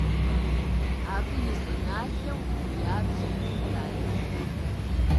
Абы и щӏыналъэу ябжыр Китайрщ.